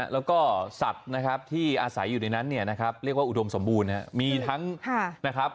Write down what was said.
แล้วก็สัตว์ที่อาศัยอยู่ในนั้นเรียกว่าอุดมสมบูรณ์